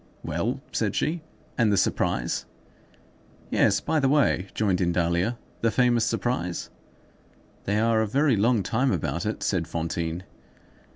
"Well," said she, "and the surprise?" "Yes, by the way," joined in Dahlia, "the famous surprise?" "They are a very long time about it!" said Fantine.